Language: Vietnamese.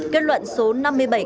kết luận số năm mươi bảy kltvk